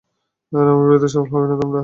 আমার বিরুদ্ধে সফল হবে না তোমরা।